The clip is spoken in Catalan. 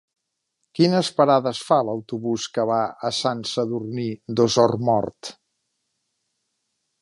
Quines parades fa l'autobús que va a Sant Sadurní d'Osormort?